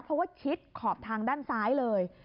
เพราะว่าชิดขอบทางด้านซ้ายเลย